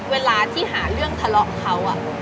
เวลาที่หาเรื่องทะเลาะเขา